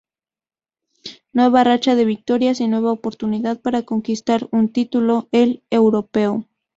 Nueva racha de victorias y nueva oportunidad para conquistar un título, el europeo.